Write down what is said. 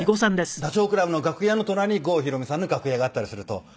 ダチョウ倶楽部の楽屋の隣に郷ひろみさんの楽屋があったりすると。